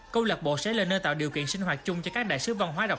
câu lạc bộ sẽ là nơi tạo điều kiện sinh hoạt chung cho các đại sứ văn hóa đọc